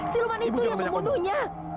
siluman itu yang membunuhnya